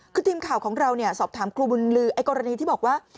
คือทีมข่าวของเราสอบถามครูบุญลือไอ้กรณีที่บอกว่า